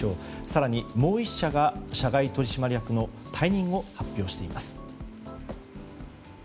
更にもう１社が社外取締役の退任を発表しています。